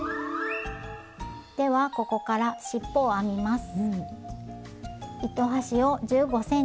ではここからしっぽを編みます。